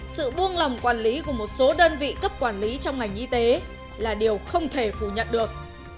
sự buông lòng quản lý của một số đơn vị cấp quản lý trong ngành y tế là điều không thể phủ nhận được